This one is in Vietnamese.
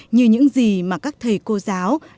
như những gì mà các thầy cô giáo dành cho trẻ khuyết tật